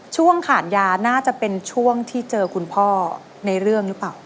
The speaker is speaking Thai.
ช่วงขาดยาน่าจะเป็นช่วงที่เจอคุณพ่อในเรื่องหรือเปล่า